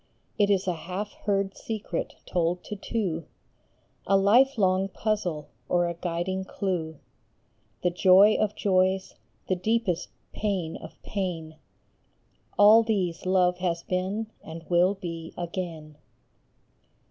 It is a half heard secret told to two, A life long puzzle or a guiding clew. The joy of joys, the deepest pain of pain ; All these Love has been and will be again.